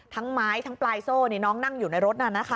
ไม้ทั้งปลายโซ่น้องนั่งอยู่ในรถน่ะนะคะ